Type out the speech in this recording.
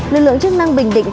lực lượng chức năng bình định